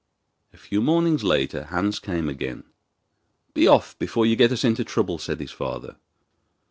A few mornings later Hans came again. 'Be off before you get us into trouble,' said his father.